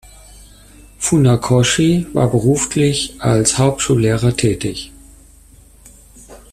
Funakoshi war beruflich als Hauptschullehrer tätig.